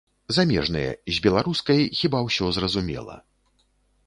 Замежныя, з беларускай, хіба, усё зразумела.